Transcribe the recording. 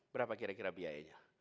berapa kira kira biayanya